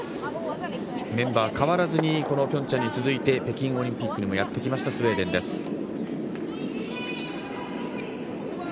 メンバー変わらずピョンチャンに続いて北京オリンピックにやってきたスウェーデンです。